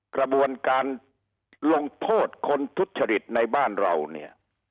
กระบวนการลงโทษคนทุจริตในบ้านเราเนี่ย